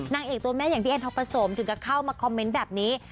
นางเอกตัวแม่อย่างพี่แอนทองประสมถึงก็เข้ามาคอมเมนต์แบบนี้